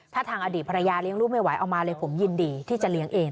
ถ้าทางอดีตภรรยาเลี้ยงลูกไม่ไหวเอามาเลยผมยินดีที่จะเลี้ยงเอง